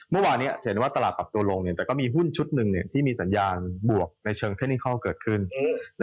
เมื่อวานนี้จะเห็นว่าตลาดปรับตัวลงแต่ก็มีหุ้นชุดหนึ่งที่มีสัญญาณบวกในเชิงเทคนิคอลเกิดขึ้น